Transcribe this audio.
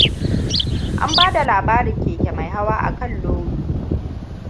An ba da labarin keke mai hawa akan Louie.